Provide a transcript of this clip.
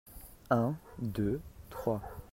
Un, deux, trois.